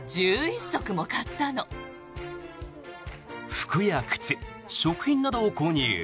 服や靴、食品などを購入。